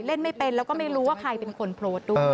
เล่นไม่เป็นแล้วก็ไม่รู้ว่าใครเป็นคนโพสต์ด้วย